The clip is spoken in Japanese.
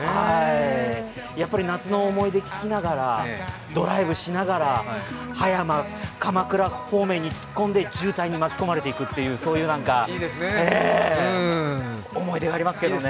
やっぱり「夏の思い出」聴きながらドライブしながら葉山、鎌倉方面に突っ込んで渋滞に巻き込まれていくっていうそういう何か、ええ思い出がありますけどね。